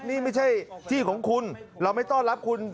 นี่ไม่ใช่ที่ของคุณเราไม่ต้อนรับคุณ